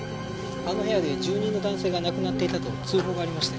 あの部屋で住人の男性が亡くなっていたと通報がありまして。